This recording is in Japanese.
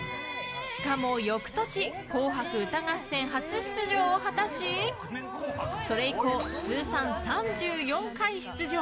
しかも翌年「紅白歌合戦」初出場を果たしそれ以降、通算３４回出場。